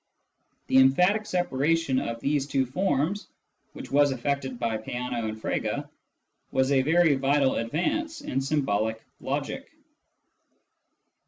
The emphatic separation of these two forms, which was effected by Peano and Frege, was a very vital advance in symbolic logic.